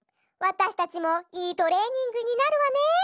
わたしたちもいいトレーニングになるわね。